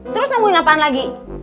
terus nungguin apaan lagi